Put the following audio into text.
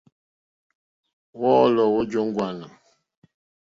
Wɔ́ɔ̌lɔ̀ wó jóŋɡwânà.